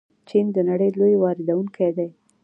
چین د نړۍ لوی واردونکی دی.